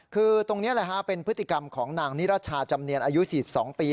คือตรงนี้แหละฮะเป็นพฤติกรรมของนางนิรชาจำเนียนอายุ๔๒ปี